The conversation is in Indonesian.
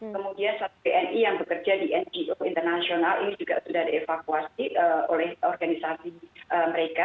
kemudian satu bni yang bekerja di ngo internasional ini juga sudah dievakuasi oleh organisasi mereka